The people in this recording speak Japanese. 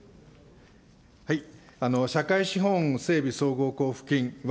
社会資本整備総合交付金は、